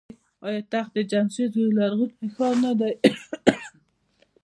آیا تخت جمشید یو لرغونی ښار نه دی؟